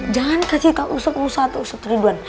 jangan kasih tau usup usup usup tri duan